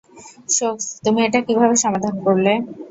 সোকস, তুমি এটা কিভাবে সমাধান করলে?